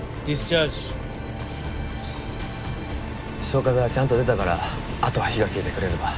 消火剤はちゃんと出たからあとは火が消えてくれれば。